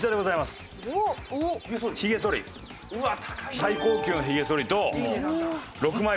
最高級のひげそりと６枚刃。